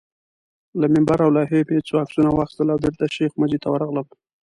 له منبر او لوحې مې څو عکسونه واخیستل او بېرته شیخ مجید ته ورغلم.